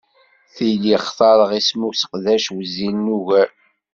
Tili xtareɣ isem useqdac wezzilen ugar.